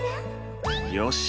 よし！